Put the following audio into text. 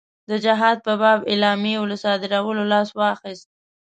د جهاد په باب اعلامیو له صادرولو لاس واخیست.